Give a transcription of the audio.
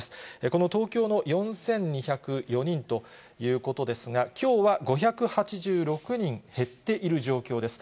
この東京の４２０４人ということですが、きょうは５８６人減っている状況です。